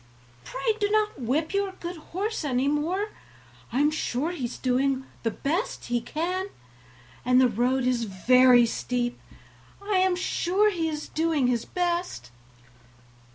pray do not whip your good horse any more; I am sure he is doing all he can, and the road is very steep; I am sure he is doing his best."